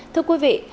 thưa quý vị